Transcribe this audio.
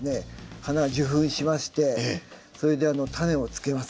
花は受粉しましてそれで種をつけます。